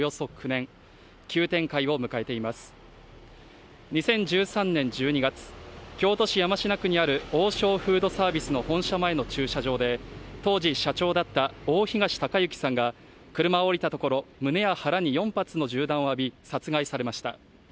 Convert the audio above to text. ２０１３年１２月京都市山科区にある王将フードサービスの本社前の駐車場で当時社長だった大東隆行さんが車を降りたところ胸や腹に４発の銃弾を浴び殺害されました